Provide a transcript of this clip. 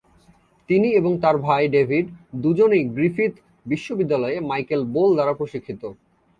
তিনি এবং তার ভাই ডেভিড দুজনেই গ্রিফিথ বিশ্ববিদ্যালয়ে মাইকেল বোল দ্বারা প্রশিক্ষিত।